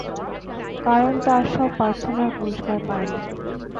কারণ তার সব প্রার্থনার পুরস্কার পায়নি।